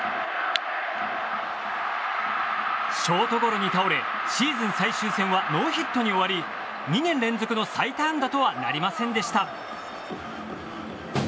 ショートゴロに倒れシーズン最終戦はノーヒットに終わり２年連続の最多安打とはなりませんでした。